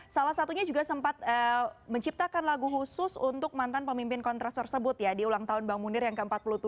salah satunya juga sempat menciptakan lagu khusus untuk mantan pemimpin kontras tersebut ya di ulang tahun bang munir yang ke empat puluh tujuh